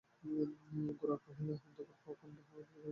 গোরা কহিল, অন্ধকার প্রকাণ্ড আর প্রদীপের শিখা ছোটো।